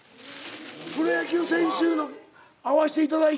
プロ野球選手の合わしていただいて。